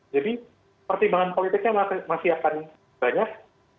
jadi pertimbangan politiknya masih akan banyak